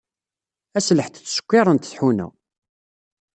Ass n lḥedd ttsekkiṛent tḥuna.